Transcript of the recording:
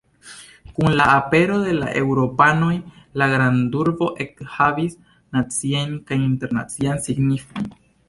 Kun la apero de la eŭropanoj la grandurbo ekhavis nacian kaj internacian signifojn.